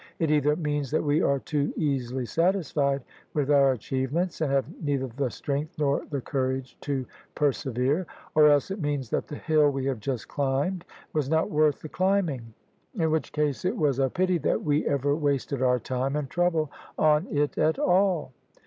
It either means that we are too easily satisfied with our achievements and have neither the strength nor the courage to persevere: or else, it means that the hill we have just climbed was not worth the climbing: in which case it was a pity that we ever wasted our time and trouble on it at all."